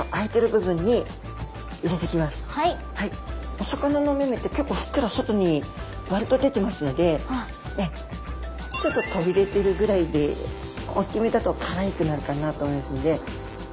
お魚のおめめって結構ふっくら外に割と出てますのでちょっと飛び出てるくらいでおっきめだとかわいくなるかなと思いますんで。